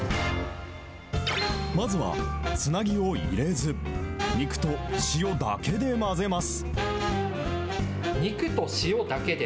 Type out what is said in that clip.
まずは、つなぎを入れず、肉と塩だけで混ぜます。